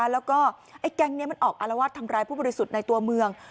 แล้วก็ไอ้แก๊งนี้มันออกอารวาสทำร้ายผู้บริสุทธิ์ในตัวเมือง